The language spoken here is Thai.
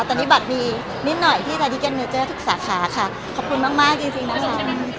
ตอนนี้บัตรมีนิดหน่อยที่ทุกสาขาค่ะขอบคุณมากมากจริงจริงนะคะ